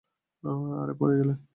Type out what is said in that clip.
আরে, পরেই গেল।